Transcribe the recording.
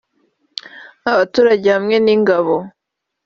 abaturage hamwe n’Ingabo